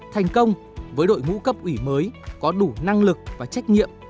thành công với đội ngũ cấp ủy mới có đủ năng lực và trách nhiệm